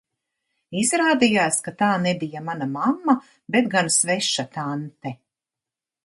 Izrādījās, ka tā nebija mana mamma, bet gan sveša tante.